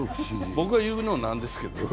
僕が言うのもなんですけれどもね。